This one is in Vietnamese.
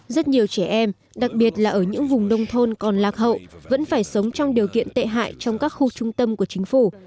rất nhiều trẻ em đặc biệt là ở những vùng nông thôn còn lạc hậu vẫn phải sống trong điều kiện tệ hại trong các khu trung tâm của chính phủ